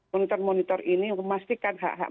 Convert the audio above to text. monitor monitor ini memastikan hak hak